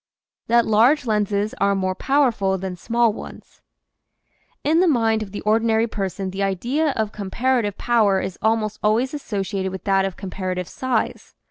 THAT LARGE LENSES ARE MORE POWERFUL THAN SMALL ONES N the mind of the ordinary person the idea of comparative power is almost always associated with that of comparative size.